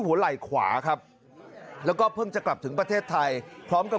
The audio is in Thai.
ไหล่ขวาครับแล้วก็เพิ่งจะกลับถึงประเทศไทยพร้อมกับ